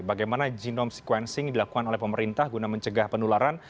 bagaimana genome sequencing dilakukan oleh pemerintah guna mencegah penularan